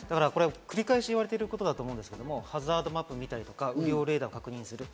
繰り返し言われていることですけどハザードマップを見たり、レーダーを確認する。